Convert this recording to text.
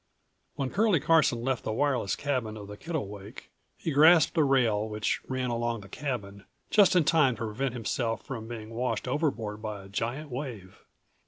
When Curlie Carson left the wireless cabin of the Kittlewake, he grasped a rail which ran along the cabin, just in time to prevent himself from being washed overboard by a giant wave.